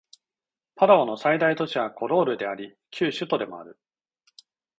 パラオの最大都市はコロールであり旧首都でもある